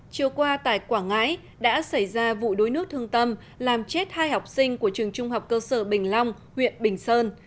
chiều qua tại quảng ngãi đã xảy ra vụ đuối nước thương tâm làm chết hai học sinh của trường trung học cơ sở bình long huyện bình sơn